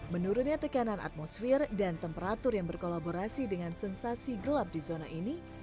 menurunnya tekanan atmosfer dan temperatur yang berkolaborasi dengan sensasi gelap di zona ini